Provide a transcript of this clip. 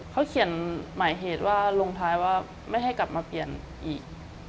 เขาเขียนหมายเหตุว่าลงท้ายว่าไม่ให้กลับมาเปลี่ยนอีก